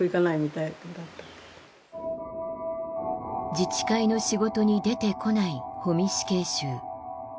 自治会の仕事に出てこない保見死刑囚。